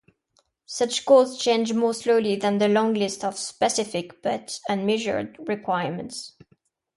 Such goals change more slowly than the long list of specific but unmeasured requirements.